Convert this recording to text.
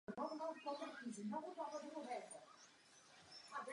Navíc z pokusu odvodil myšlenku nezávislosti psychických dějů na prostoru a čase.